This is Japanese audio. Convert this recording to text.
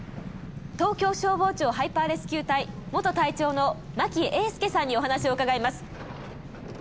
東京消防庁ハイパーレスキュー隊元隊長の真木英輔さんにお話を伺います。